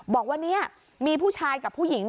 บอกว่านี่มีผู้ชายกับผู้หญิง